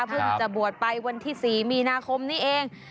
เพิ่งจะบวชไปวันที่๔มีนาคมนี้เอง